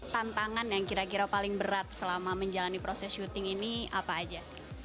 tantangan yang kira kira paling berat selama menjalani proses syuting ini apa aja